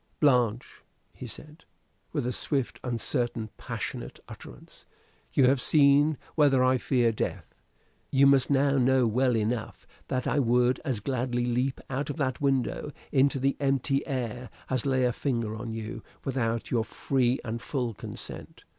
"Blanche," he said, with a swift uncertain passionate utterance, "you have seen whether I fear death. You must know well enough that I would as gladly leap out of that window into the empty air as lay a finger on you without your free and full consent.